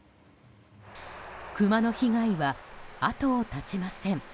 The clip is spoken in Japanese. クマの被害は後を絶ちません。